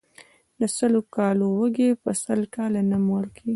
د سلو کالو وږى ، په سل کاله نه مړېږي.